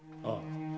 ああ。